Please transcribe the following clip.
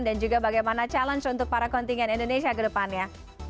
juga bagaimana challenge untuk para kontingen indonesia ke depannya